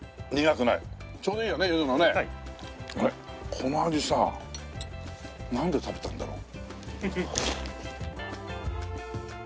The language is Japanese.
この味さなんで食べたんだろう？